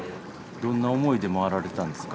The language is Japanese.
どんな思いで回られたんですか？